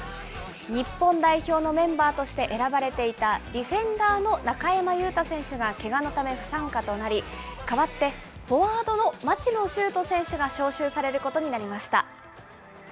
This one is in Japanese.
日本代表のメンバーとして選ばれていたディフェンダーの中山雄太選手がけがのため不参加となり、代わってフォワードの町野修斗選手が招集されることになりました。